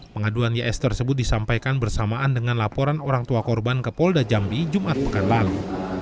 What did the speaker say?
pengaduan ys tersebut disampaikan bersamaan dengan laporan orang tua korban ke polda jambi jumat pekan lalu